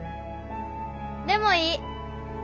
でもいい。